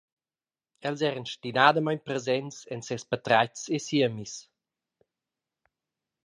Els eran stinadamein presents en ses patratgs e siemis.